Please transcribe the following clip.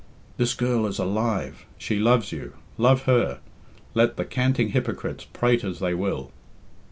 This girl is alive. She loves you. Love her. Let the canting hypocrites prate as they will."